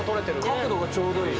角度がちょうどいい。